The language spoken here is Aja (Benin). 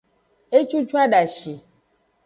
Ecucu adashi.